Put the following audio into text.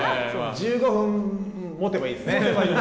１５分もてばいいですね。